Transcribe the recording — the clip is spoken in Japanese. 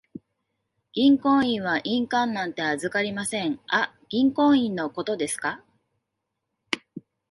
銀行員は印鑑なんて預かりません。あ、銀行印のことですか。